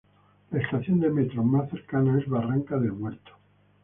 La estación de metro más cercana es Barranca del Muerto.